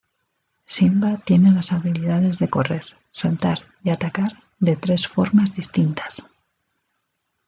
Simba tiene las habilidades de correr, saltar y atacar de tres formas distintas.